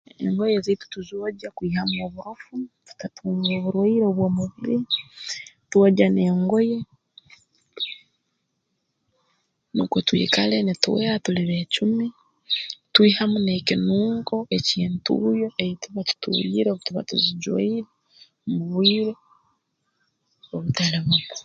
Engoye ezaitu tuzoogya kwihamu oburofu tutatunga oburwaire obw'omubiri twogya n'engoye nukwo twikale nitwera tuli beecumi twihamu n'ekinunko eky'entuuyo ei tuba tutuuyire obu tuba tuzijwaire mu bwire obutali bumu